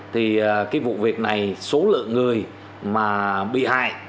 thì cái vụ việc này số lượng người mà bị hại